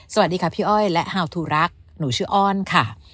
สวัสดีค่ะพี่อ้อยและฮาวทูรักหนูชื่ออ้อนค่ะ